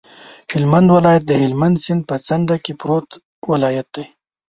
هلمند ولایت د هلمند سیند په څنډه کې پروت ولایت دی.